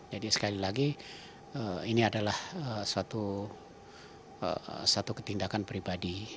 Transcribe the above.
sekali lagi ini adalah suatu ketindakan pribadi